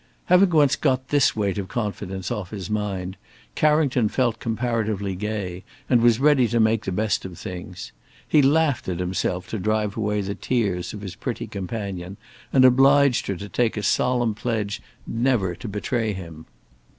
Having once got this weight of confidence off his mind, Carrington felt comparatively gay and was ready to make the best of things. He laughed at himself to drive away the tears of his pretty companion, and obliged her to take a solemn pledge never to betray him.